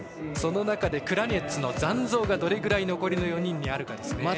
その中でクラニェツの残像がどれぐらい残りの４人にあるかですね。